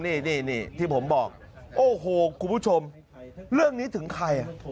นี่ที่ผมบอกโอ้โหคุณผู้ชมเรื่องนี้ถึงใคร